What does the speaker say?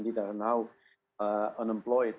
sekarang tidak berpengalaman